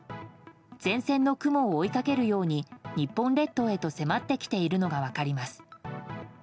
前線の雲を追いかけるように日本列島へと迫ってきているのが分かります。